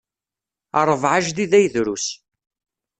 Ṛbeɛ ajdid ay drus.